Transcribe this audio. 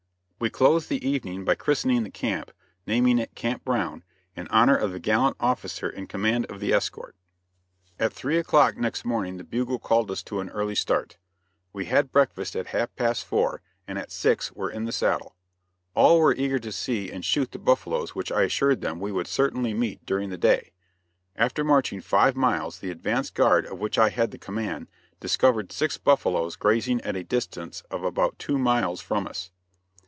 We closed the evening by christening the camp, naming it Camp Brown, in honor of the gallant officer in command of the escort. At three o'clock next morning the bugle called us to an early start. We had breakfast at half past four, and at six were in the saddle. All were eager to see and shoot the buffaloes which I assured them we would certainly meet during the day. After marching five miles, the advance guard, of which I had the command, discovered six buffaloes grazing at a distance of about two miles from us.